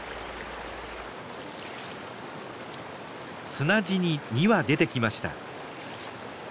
砂地に２羽出てきました。